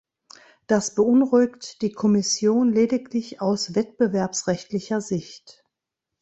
Das beunruhigt die Kommission lediglich aus wettbewerbsrechtlicher Sicht.